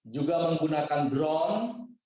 juga menggunakan drone